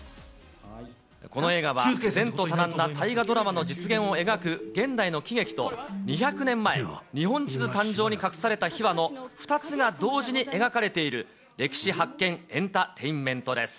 この映画は、前途多難な大河ドラマの実現を描く現代の喜劇と、２００年前、日本地図誕生に隠された秘話の２つが同時に描かれている、歴史発見エンタテインメントです。